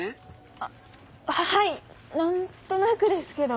あはい何となくですけど。